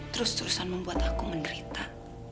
terus terusan membuat aku menderita